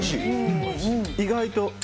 意外と。